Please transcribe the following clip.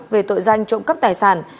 về tội danh trộm cắp tài sản